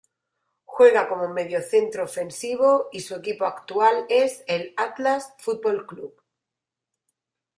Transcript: Juega como mediocentro ofensivo y su equipo actual es el Atlas Fútbol Club.